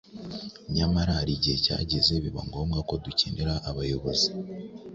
Nyamara hari igihe cyageze biba ngombwa ko dukenera abayobozi